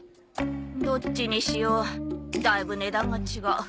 どっちにしようだいぶ値段が違う。